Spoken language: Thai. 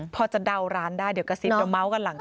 พอจะเดาร้านได้เดี๋ยวกระซิบเดี๋ยวเมาส์กันหลังค